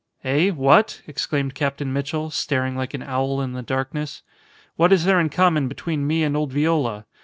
"Eh? What?" exclaimed Captain Mitchell, staring like an owl in the darkness. "What is there in common between me and old Viola?